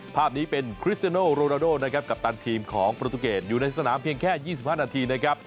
ภาพนี้เป็นคริสเซโนโรนาโดกัปตันทีมของปรุตุเกตอยู่ในสนามเพียงแค่๒๕นาที